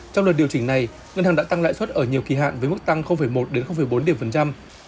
trong lần điều chỉnh này ngân hàng đã tăng lãi suất ở nhiều kỳ hạn với mức tăng một đến bốn điểm phần trăm